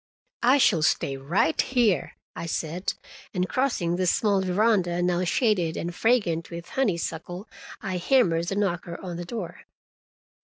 "I shall stay right here," I said, and crossing the small veranda, now shaded and fragrant with honeysuckle, I hammered the knocker on the door.